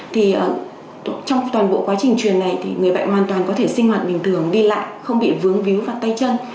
thì trong toàn bộ quá trình truyền này thì người bệnh hoàn toàn có thể sinh hoạt bình thường đi lại không bị vướng víu và tay chân